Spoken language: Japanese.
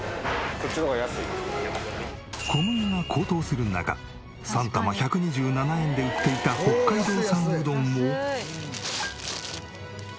小麦が高騰する中３玉１２７円で売っていた北海道産うどんを。